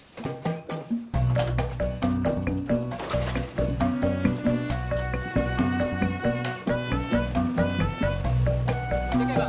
enggak tahu apa